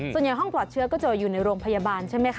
ส่วนใหญ่ห้องปลอดเชื้อก็จะอยู่ในโรงพยาบาลใช่ไหมคะ